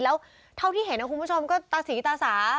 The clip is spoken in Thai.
แล้วเท่าที่เห็นนะคุณผู้ชมก็ตาสีตาสา